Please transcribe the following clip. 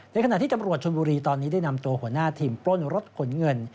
ขณะที่ตำรวจชนบุรีตอนนี้ได้นำตัวหัวหน้าทีมปล้นรถขนเงิน